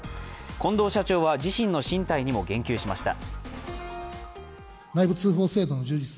近藤社長は自身の進退にも言及しました。